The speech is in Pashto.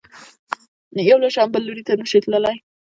یو لویشت هم بل لوري ته تلی نه شې.